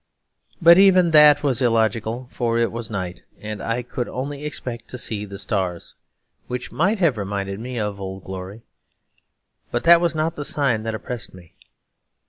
But even that was illogical, for it was night, and I could only expect to see the stars, which might have reminded me of Old Glory; but that was not the sign that oppressed me.